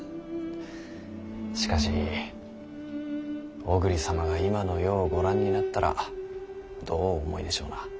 しかし小栗様が今の世をご覧になったらどうお思いでしょうな。